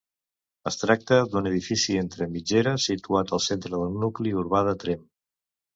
Es tracta d'un edifici entre mitgeres, situat al centre del nucli urbà de Tremp.